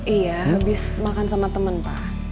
iya habis makan sama teman pak